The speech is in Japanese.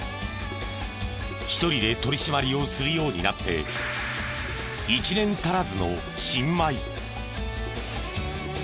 一人で取り締まりをするようになって１年足らずの新米。